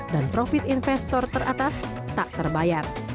dan profit investor teratas tak terbayar